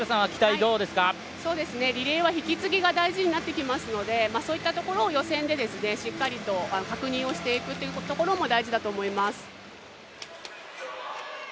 リレーは引き継ぎが大事になってきますのでそういったところを予選でしっかりと確認をしていくというところも大事だと思います。